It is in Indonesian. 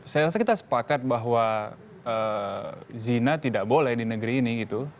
saya rasa kita sepakat bahwa zina tidak boleh di negeri ini gitu